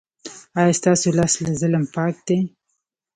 ایا ستاسو لاس له ظلم پاک دی؟